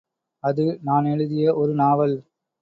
அது நான் எழுதிய ஒருநாவல்.